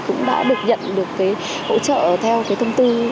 cũng đã được nhận được cái hỗ trợ theo cái thông tư